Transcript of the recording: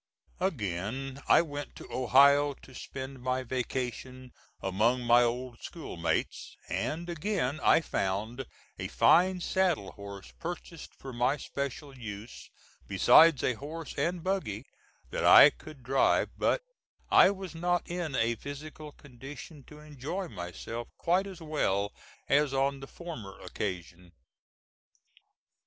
Again I went to Ohio to spend my vacation among my old school mates; and again I found a fine saddle horse purchased for my special use, besides a horse and buggy that I could drive but I was not in a physical condition to enjoy myself quite as well as on the former occasion.